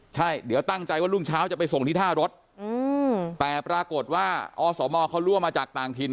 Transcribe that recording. ใช่เดี๋ยวตั้งใจว่ารุ่งเช้าจะไปส่งที่ท่ารถแต่ปรากฏว่าอสมเขารั่วมาจากต่างถิ่น